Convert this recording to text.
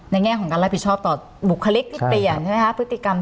แง่ของการรับผิดชอบต่อบุคลิกที่เปลี่ยนใช่ไหมคะพฤติกรรม